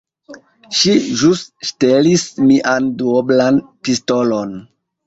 Ŝi ĵus ŝtelis mian duoblan pistolon.